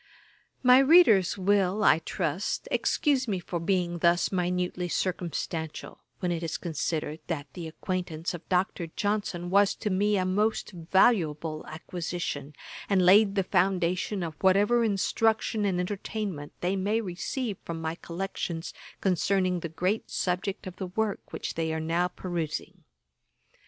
My readers will, I trust, excuse me for being thus minutely circumstantial, when it is considered that the acquaintance of Dr. Johnson was to me a most valuable acquisition, and laid the foundation of whatever instruction and entertainment they may receive from my collections concerning the great subject of the work which they are now perusing.